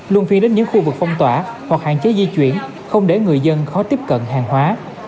luôn phi đến những khu vực phong tỏa hoặc hạn chế di chuyển không để người dân khó tiếp cận hàng hóa